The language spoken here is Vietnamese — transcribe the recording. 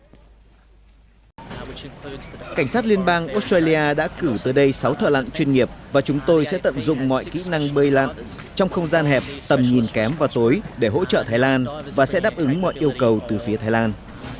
cảnh sát liên bang australia đã cử tới đây sáu thợ lặn chuyên nghiệp và chúng tôi sẽ tận dụng mọi kỹ năng bơi lặn trong không gian hẹp tầm nhìn kém vào tối để hỗ trợ thái lan và sẽ đáp ứng mọi yêu cầu từ phía thái lan